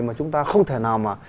mà chúng ta không thể nào mà